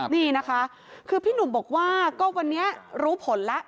นี่นะคะคือพี่หนุ่มบอกว่าก็วันนี้รู้ผลแล้ว